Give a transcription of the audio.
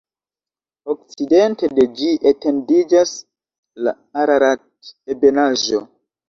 Okcidente de ĝi etendiĝas la Ararat-ebenaĵo.